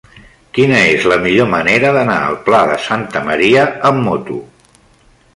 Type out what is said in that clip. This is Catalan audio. Quina és la millor manera d'anar al Pla de Santa Maria amb moto?